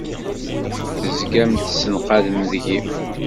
Tezgam tessenqadem deg-i!